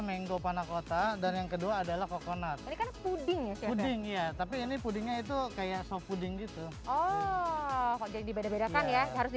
menggo panah kota yang pertama adalah menggo panah kota yang kedua adalah manis untuk menikmati akhir pekan kayak gini cocok banget karena sekarang saya daniel afri yang doanya kita masaknya kedua dapat semua